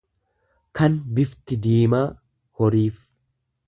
kan bifti diimaa horiif.